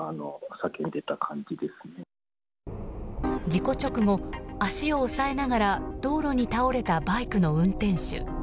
事故直後、足を押さえながら道路に倒れたバイクの運転手。